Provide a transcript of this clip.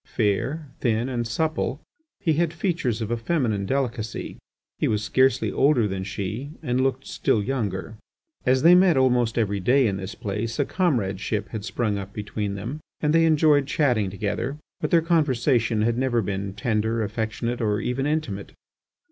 Fair, thin, and supple, he had features of a feminine delicacy; he was scarcely older than she, and looked still younger. As they met almost every day in this place, a comradeship had sprung up between them, and they enjoyed chatting together. But their conversation had never been tender, affectionate, or even intimate.